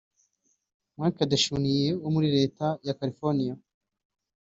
Mark DeSaulnier wo muri Leta ya California